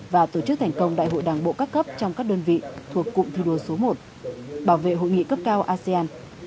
và tổ chức thành công đại hội đảng bộ các cấp trong các đơn vị thuộc cụm thi đua số một bảo vệ hội nghị cấp cao asean